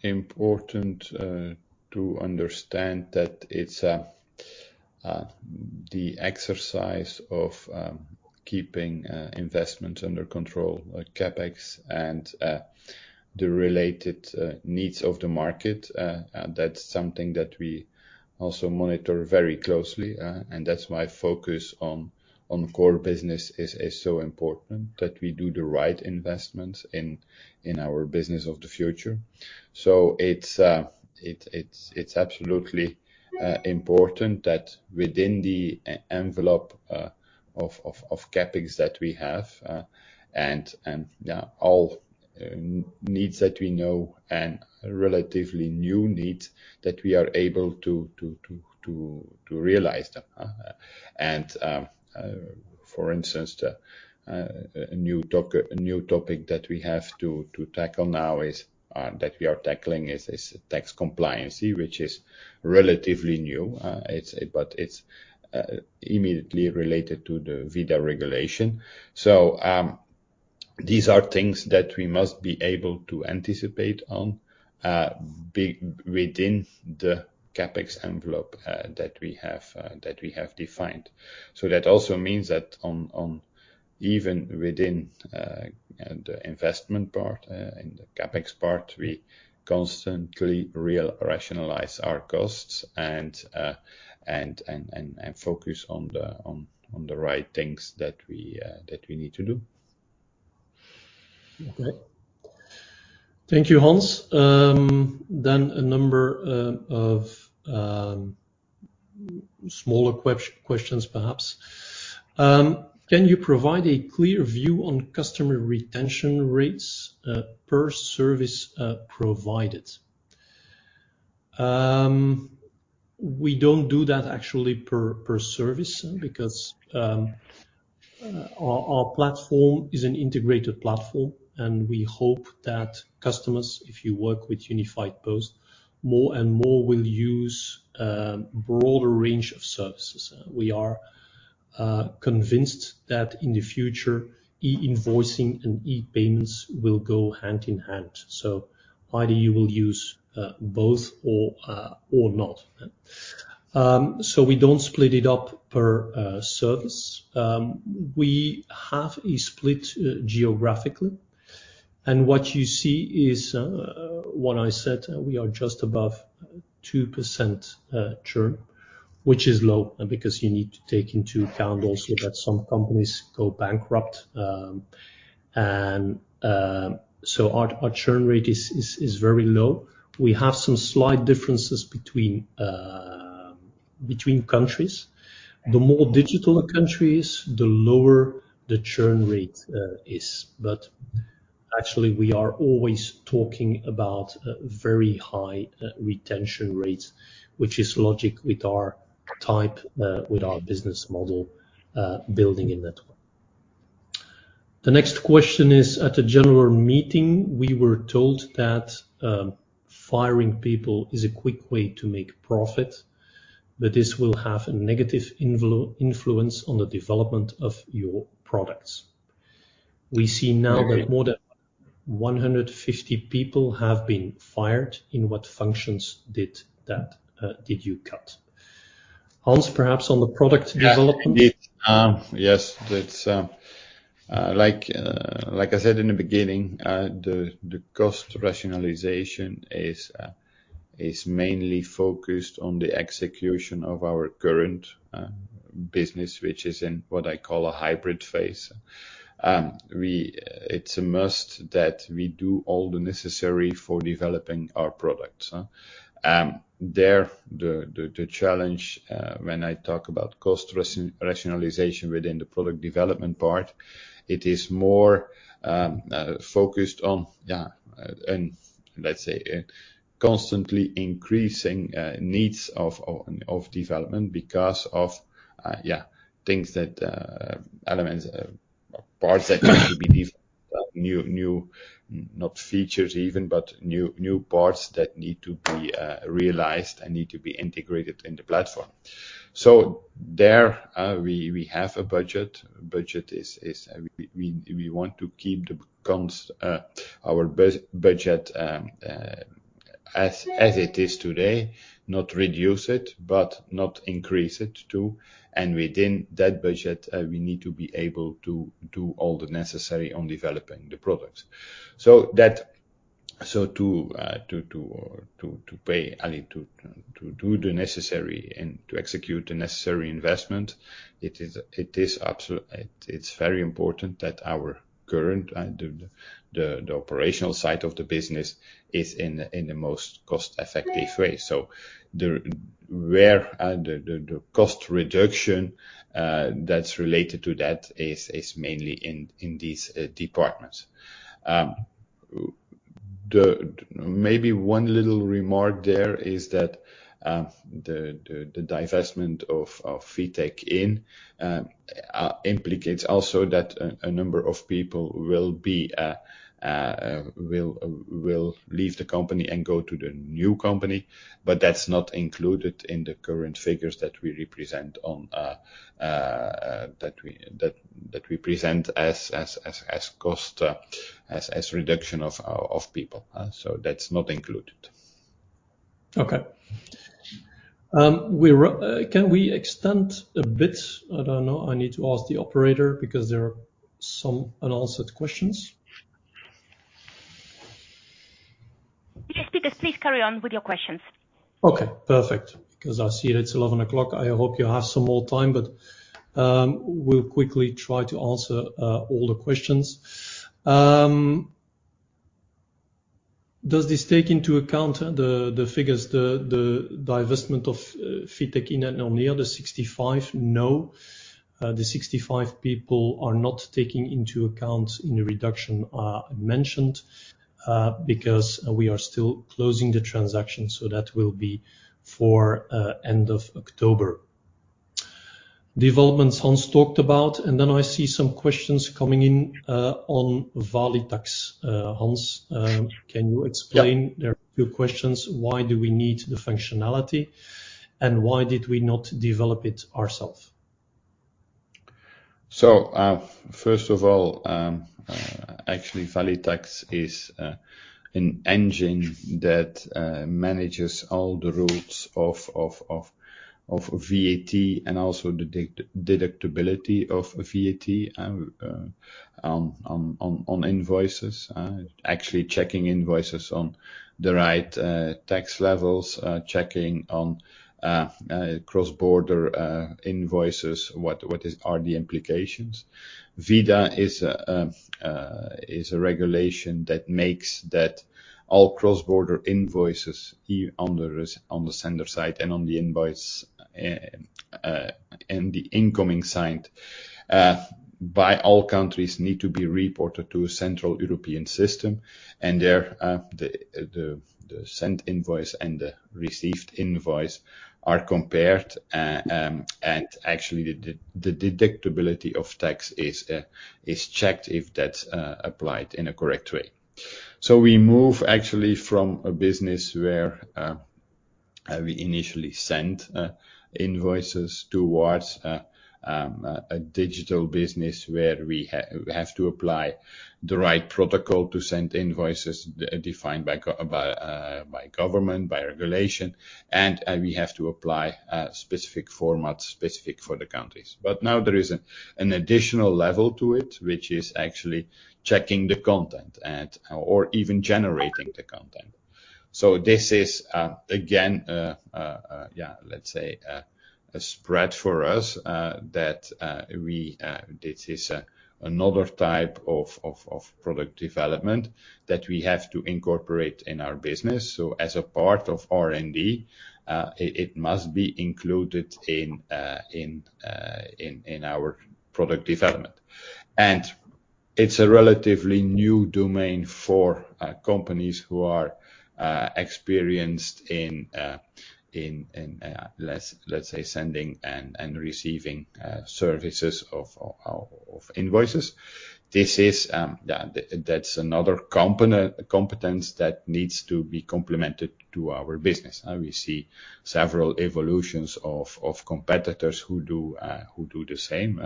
S2: important to understand that it's the exercise of keeping investments under control, like CapEx, and the related needs of the market. That's something that we also monitor very closely, and that's why focus on core business is so important, that we do the right investments in our business of the future. So it's absolutely important that within the e-envelope of CapEx that we have, and yeah, all needs that we know and relatively new needs, that we are able to realize them. For instance, a new topic that we have to tackle now is tax compliance, which is relatively new, but it's immediately related to the ViDA regulation. So, these are things that we must be able to anticipate on, be within the CapEx envelope that we have defined. So that also means that even within the investment part, in the CapEx part, we constantly re-rationalize our costs and focus on the right things that we need to do.
S3: Okay. Thank you, Hans. Then a number of smaller questions, perhaps. Can you provide a clear view on customer retention rates per service provided? We don't do that actually per service, because our platform is an integrated platform, and we hope that customers, if you work with Unifiedpost, more and more will use a broader range of services. We are convinced that in the future, e-invoicing and e-payments will go hand in hand. So either you will use both or not. So we don't split it up per service. We have a split geographically, and what you see is what I said, we are just above 2% churn, which is low, because you need to take into account also that some companies go bankrupt. Our churn rate is very low. We have some slight differences between countries. The more digital the countries, the lower the churn rate is. But actually, we are always talking about very high retention rates, which is logical with our type with our business model building in that. The next question is: At a general meeting, we were told that firing people is a quick way to make profit, but this will have a negative influence on the development of your products. We see now that more than 150 people have been fired. In what functions did you cut? Hans, perhaps on the product development.
S2: Yeah, indeed. Yes, it's, like, like I said in the beginning, the cost rationalization is mainly focused on the execution of our current business, which is in what I call a hybrid phase. It's a must that we do all the necessary for developing our products, huh? There, the challenge, when I talk about cost rationalization within the product development part, it is more focused on, yeah, and let's say, constantly increasing needs of development because of, yeah, things that elements parts that need to be developed, new, not features even, but new parts that need to be realized and need to be integrated in the platform. So there, we have a budget. Budget is we want to keep our budget as it is today, not reduce it, but not increase it too. Within that budget, we need to be able to do all the necessary on developing the products. So that to pay to do the necessary and to execute the necessary investment, it is absolute. It's very important that our current the operational side of the business is in a most cost-effective way. The cost reduction that's related to that is mainly in these departments. The... Maybe one little remark there is that, the divestment of FitekIN implicates also that a number of people will leave the company and go to the new company, but that's not included in the current figures that we represent on, that we present as cost reduction of people. So that's not included.
S3: Okay. Can we extend a bit? I don't know. I need to ask the operator, because there are some unanswered questions.
S1: Yes, please, please carry on with your questions.
S3: Okay, perfect. Because I see it's 11 o'clock. I hope you have some more time, but, we'll quickly try to answer all the questions. Does this take into account the, the figures, the, the divestment of, FitekIN and on the other 65? No, the 65 people are not taking into account in the reduction, mentioned, because we are still closing the transaction, so that will be for, end of October. Developments Hans talked about, and then I see some questions coming in, on Valitax. Hans,
S2: Yeah.
S3: Can you explain? There are a few questions. Why do we need the functionality, and why did we not develop it ourselves?
S2: So, first of all, actually, Valitax is an engine that manages all the routes of VAT and also the deductibility of VAT on invoices. Actually checking invoices on the right tax levels, checking on cross-border invoices, what are the implications. ViDA is a regulation that makes that all cross-border invoices on the sender side and on the invoice and the incoming side by all countries need to be reported to a central European system. And there, the sent invoice and the received invoice are compared, and actually, the deductibility of tax is checked if that's applied in a correct way. So we move actually from a business where we initially sent invoices towards a digital business, where we have to apply the right protocol to send invoices defined by government, by regulation, and we have to apply specific formats, specific for the countries. But now there is an additional level to it, which is actually checking the content and or even generating the content. So this is again, yeah, let's say, a spread for us that we... This is another type of product development that we have to incorporate in our business. So as a part of R&D, it must be included in our product development. It's a relatively new domain for companies who are experienced in let's say sending and receiving services of invoices. This is, yeah, that's another competence that needs to be complemented to our business. We see several evolutions of competitors who do the same.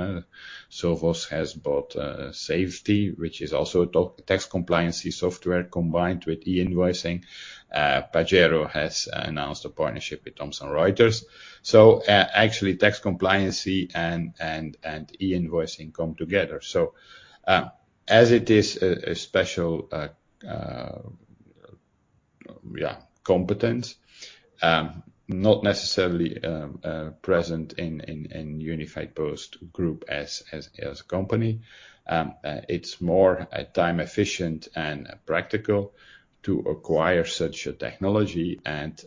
S2: Sovos has bought Saphety, which is also a tax compliance software combined with e-invoicing. Pagero has announced a partnership with Thomson Reuters. So actually, tax compliance and e-invoicing come together. So, as it is a special competence, not necessarily present in Unifiedpost Group as a company, it's more time efficient and practical to acquire such a technology and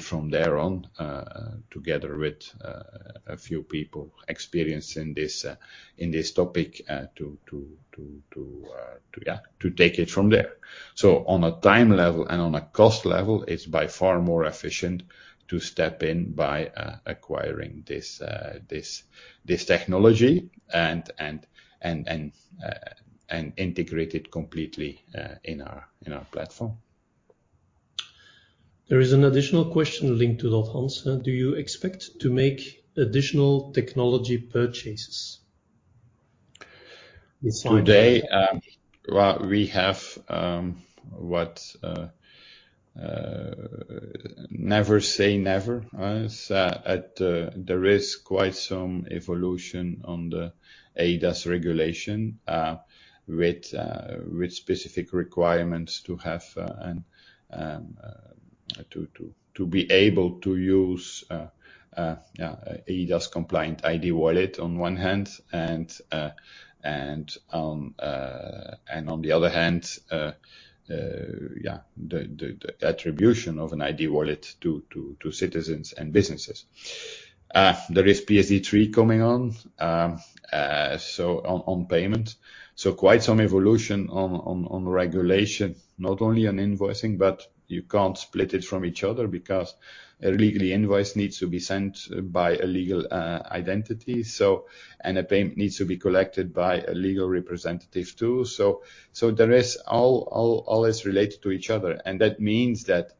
S2: from there on, together with a few people experienced in this topic, to take it from there. So on a time level and on a cost level, it's by far more efficient to step in by acquiring this technology and integrate it completely in our platform. ...
S3: There is an additional question linked to that, Hans. Do you expect to make additional technology purchases?
S2: Today, well, we have what never say never. So there is quite some evolution on the eIDAS regulation, with specific requirements to have to be able to use eIDAS compliant ID wallet on one hand, and on the other hand, yeah, the attribution of an ID wallet to citizens and businesses. There is PSD3 coming on, so on payment. So quite some evolution on regulation, not only on invoicing, but you can't split it from each other because a legal invoice needs to be sent by a legal identity, so and a payment needs to be collected by a legal representative, too. So all is related to each other, and that means that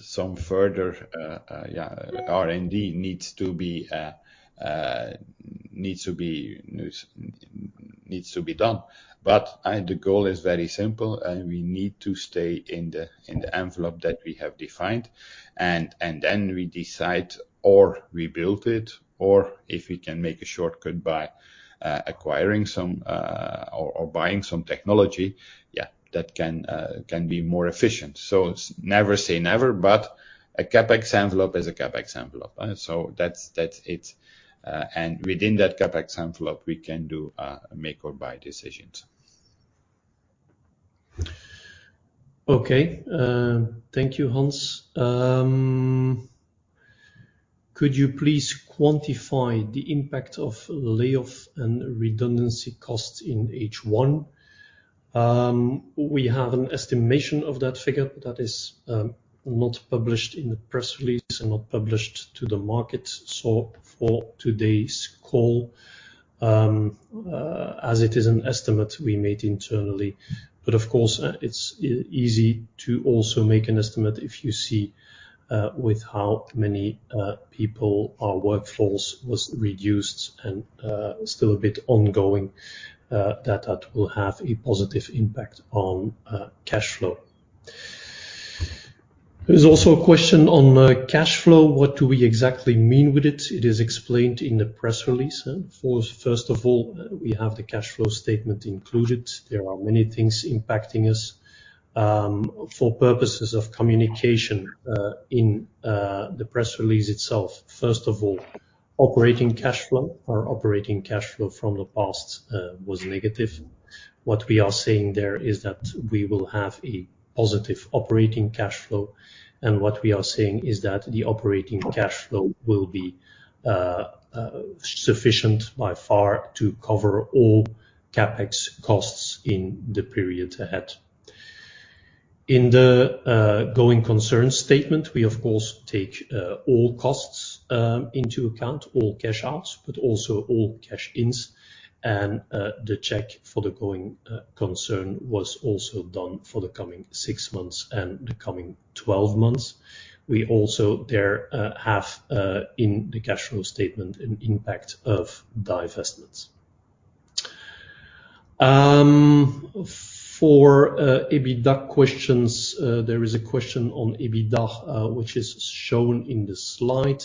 S2: some further, yeah, R&D needs to be done. But the goal is very simple, and we need to stay in the envelope that we have defined, and then we decide, or we build it, or if we can make a shortcut by acquiring some or buying some technology, yeah, that can be more efficient. So never say never, but a CapEx envelope is a CapEx envelope, so that's it. And within that CapEx envelope, we can do make or buy decisions.
S3: Okay. Thank you, Hans. Could you please quantify the impact of layoff and redundancy costs in H1? We have an estimation of that figure that is not published in the press release and not published to the market. So for today's call, as it is an estimate we made internally. But of course, it's easy to also make an estimate if you see with how many people our workforce was reduced and still a bit ongoing, that will have a positive impact on cash flow. There's also a question on cash flow. What do we exactly mean with it? It is explained in the press release. First of all, we have the cash flow statement included. There are many things impacting us. For purposes of communication, in the press release itself, first of all, operating cash flow or operating cash flow from the past was negative. What we are saying there is that we will have a positive operating cash flow, and what we are saying is that the operating cash flow will be sufficient by far to cover all CapEx costs in the period ahead. In the going concern statement, we of course take all costs into account, all cash outs, but also all cash ins, and the check for the going concern was also done for the coming 6 months and the coming 12 months. We also there have in the cash flow statement an impact of divestments. For EBITDA questions, there is a question on EBITDA, which is shown in the slide.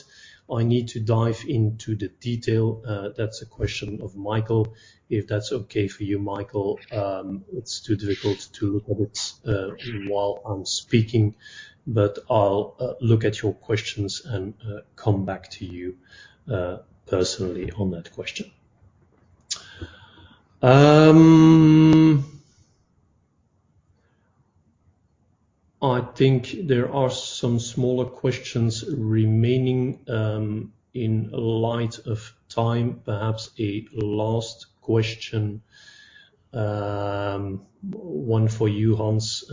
S3: I need to dive into the detail. That's a question of Michael. If that's okay for you, Michael, it's too difficult to look at it while I'm speaking, but I'll look at your questions and come back to you personally on that question. I think there are some smaller questions remaining. In light of time, perhaps a last question. One for you, Hans.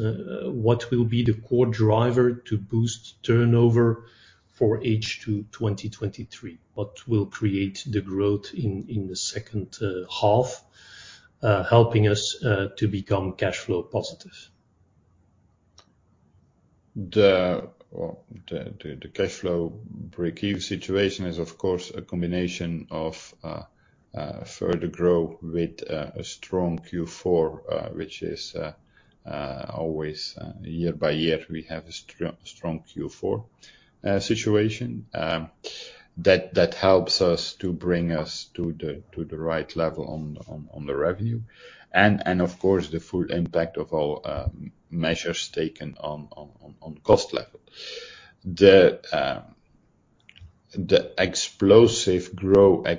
S3: What will be the core driver to boost turnover for H2 2023? What will create the growth in the second half, helping us to become cash flow positive?
S2: Well, the cash flow breakeven situation is, of course, a combination of further growth with a strong Q4, which is always year by year we have a strong Q4 situation. That helps us to bring us to the right level on the revenue. And of course, the full impact of our measures taken on cost level. The explosive growth, I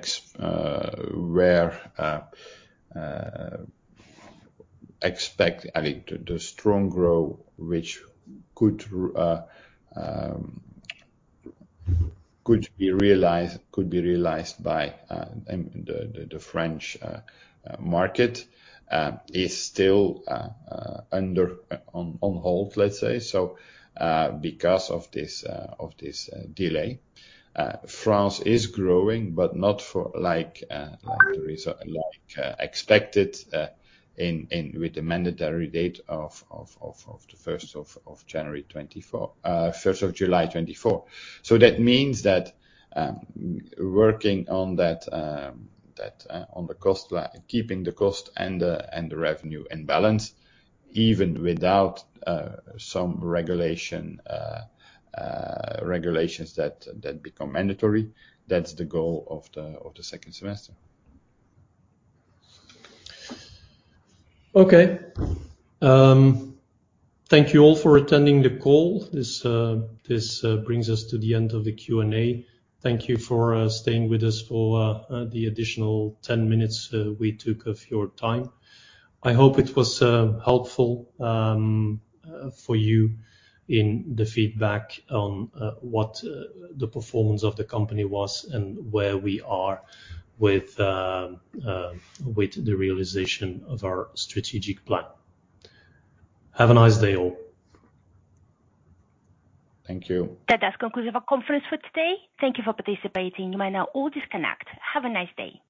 S2: think the strong growth which could be realized by the French market is still under... On hold, let's say. So, because of this delay, France is growing, but not like expected in with the mandatory date of the 1st of January 2024—1st of July 2024. So that means that working on that keeping the cost and the revenue in balance, even without some regulations that become mandatory, that's the goal of the second semester.
S3: Okay. Thank you all for attending the call. This brings us to the end of the Q&A. Thank you for staying with us for the additional 10 minutes we took of your time. I hope it was helpful for you in the feedback on what the performance of the company was and where we are with with the realization of our strategic plan. Have a nice day, all.
S2: Thank you.
S1: That does conclude our conference for today. Thank you for participating. You may now all disconnect. Have a nice day.